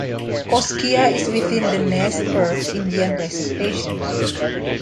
Kooskia is within the Nez Perce Indian Reservation.